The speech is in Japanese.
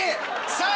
さあ